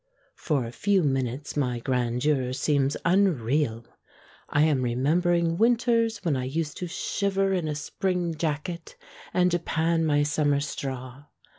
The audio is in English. For a few minutes my grand eur seems unreal; I am remembering winters when I used to shiver in a spring jacket, and japan my summer straw.